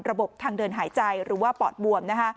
ระบบทางเดินหายใจหรือว่าปอดบวม